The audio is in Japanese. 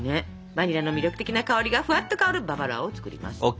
バニラの魅力的な香りがふわっと香るババロアを作ります！